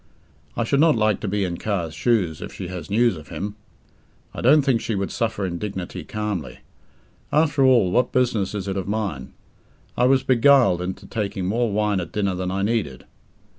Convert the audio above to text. I should not like to be in Carr's shoes if she has news of him! I don't think she would suffer indignity calmly. After all, what business is it of mine? I was beguiled into taking more wine at dinner than I needed.